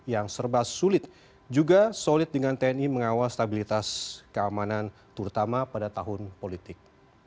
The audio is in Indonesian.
yang serba sulit juga solid dengan tni mengawal stabilitas keamanan terutama pada tahun politik